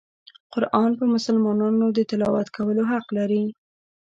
قرآن په مسلمانانو د تلاوت کولو حق لري.